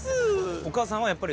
お母さんはやっぱり。